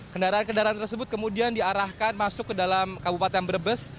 kendaraan kendaraan tersebut kemudian diarahkan masuk ke dalam kabupaten brebes